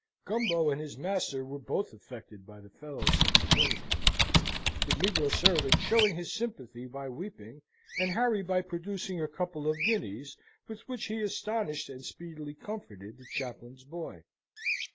Gumbo and his master were both affected by the fellow's sensibility; the negro servant showing his sympathy by weeping, and Harry by producing a couple of guineas, with which he astonished and speedily comforted the chaplain's boy.